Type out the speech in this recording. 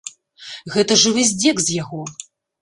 Гэта жывы здзек з яго!